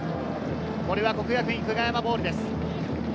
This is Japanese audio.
ここは國學院久我山ボールです。